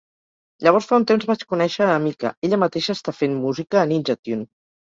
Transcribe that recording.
Llavors fa un temps vaig conèixer a Emika, ella mateixa està fent música a Ninja Tune.